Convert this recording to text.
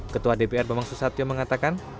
ketua dpr bambang susatyo mengatakan